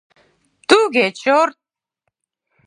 — Туге, чорт!..